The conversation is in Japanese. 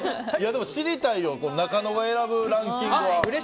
でも、知りたいよなかのが選ぶランキングは。